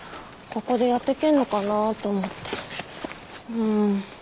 うん。